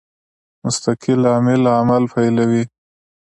مستقل عامل عمل پیلوي.